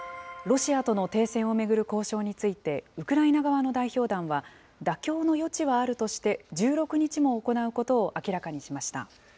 ロシアとの停戦を巡る交渉について、ウクライナ側の代表団は、妥協の余地はあるとして、１６日も行うことを明らかにしました。